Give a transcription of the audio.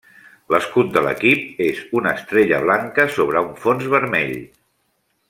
L'escut de l'equip és una estrella blanca sobre un fons vermell.